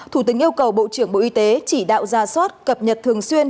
thủ tướng yêu cầu bộ trưởng bộ y tế chỉ đạo ra soát cập nhật thường xuyên